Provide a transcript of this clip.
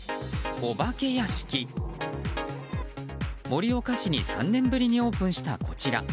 盛岡市に３年ぶりにオープンしたこちら。